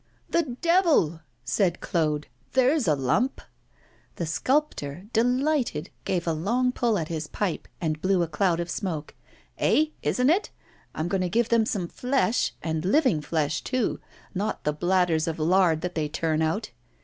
'The devil!' said Claude, 'there's a lump.' The sculptor, delighted, gave a long pull at his pipe, and blew a cloud of smoke. 'Eh, isn't it? I am going to give them some flesh, and living flesh, too; not the bladders of lard that they turn out.